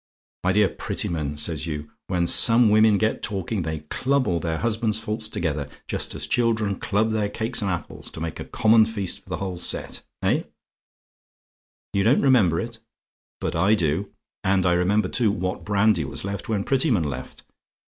'My dear Prettyman,' says you, 'when some women get talking, they club all their husbands' faults together; just as children club their cakes and apples, to make a common feast for the whole set.' Eh? "YOU DON'T REMEMBER IT? "But I do: and I remember, too, what brandy was left when Prettyman left.